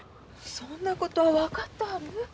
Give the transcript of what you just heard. そんなことは分かったある。